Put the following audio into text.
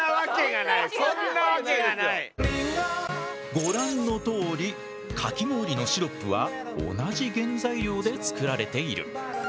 ご覧のとおりかき氷のシロップは同じ原材料で作られている。